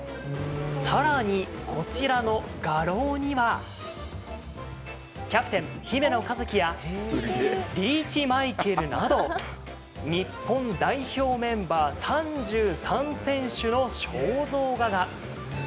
更に、こちらの画廊にはキャプテン、姫野和樹やリーチマイケルなど日本代表メンバー３３選手の肖像画が。